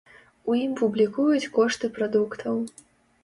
У ім публікуюць кошты прадуктаў.